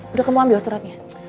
udah kamu ambil suratnya